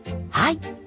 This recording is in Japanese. はい。